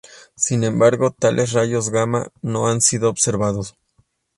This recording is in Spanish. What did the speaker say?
Sin embargo, tales rayos gamma no han sido observados.